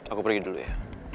aku pergi dulu ya